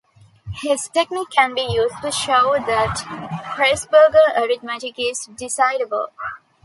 This technique can be used to show that Presburger arithmetic is decidable.